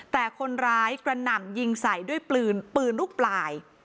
แต่คนร้ายกระหน่ำยิงใส่ด้วยปืนปืนลูกปลาย